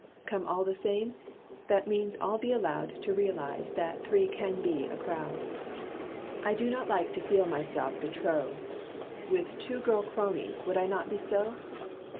'Come all the same?' that means I'll be allowed To realize that 'three can make a crowd.' I do not like to feel myself de trop. With two girl cronies would I not be so?